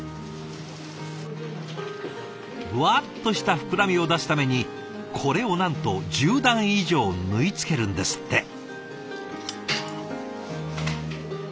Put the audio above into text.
ふわっとした膨らみを出すためにこれをなんと１０段以上縫い付けるんですって。